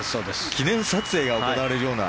記念撮影が行われるような。